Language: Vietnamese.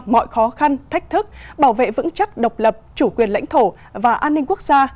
mọi khó khăn thách thức bảo vệ vững chắc độc lập chủ quyền lãnh thổ và an ninh quốc gia